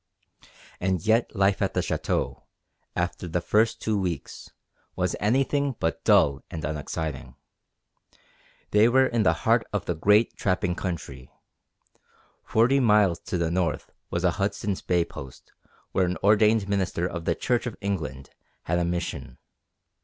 And yet life at the Château, after the first two weeks, was anything but dull and unexciting. They were in the heart of the great trapping country. Forty miles to the north was a Hudson's Bay post where an ordained minister of the Church of England had a mission.